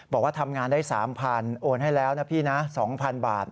บอกว่าทำงานได้๓๐๐โอนให้แล้วนะพี่นะ๒๐๐๐บาท